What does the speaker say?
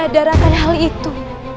menyadarakan hal itu